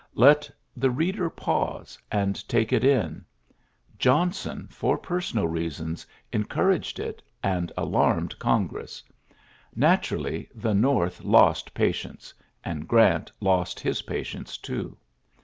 Let the reader pause, and take it Johnson, for personal reasons, en araged it, and alarmed Congress, iturally, the North lost patience j and ant lost his patience, too.